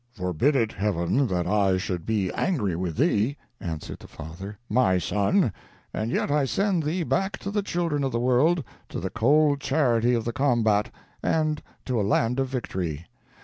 "Forbid it, Heaven, that I should be angry with thee," answered the father, "my son, and yet I send thee back to the children of the world to the cold charity of the combat, and to a land of victory.